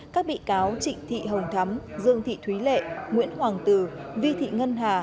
các bị cáo trịnh thị hồng thắm dương thị thúy lệ nguyễn hoàng tử vi thị ngân hà